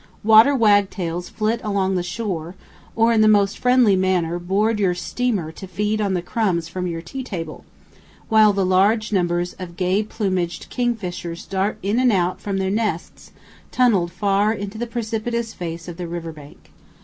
Water wag tails flit along the shore, or in the most friendly manner board your steamer to feed on the crumbs from your tea table, while large numbers of gay plumaged king fishers dart in and out from their nests tunnelled far into the precipitous face of the river bank.